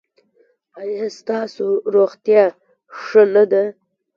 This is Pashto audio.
ایا ستاسو روغتیا ښه نه ده؟